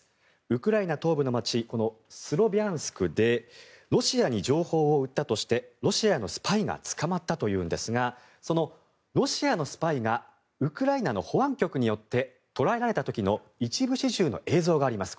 ウクライナ東部の街スロビャンスクでロシアに情報を売ったとしてロシアのスパイが捕まったというんですがそのロシアのスパイがウクライナの保安局によって捕らえられた時の一部始終の映像があります。